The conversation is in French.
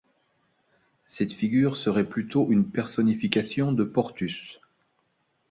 Cette figure serait plutôt une personnification de Portus.